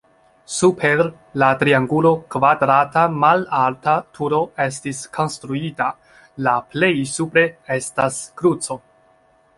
Super la triangulo kvadrata malalta turo estis konstruita, la plej supre estas kruco.